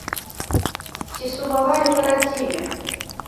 Ці сумавалі па радзіме?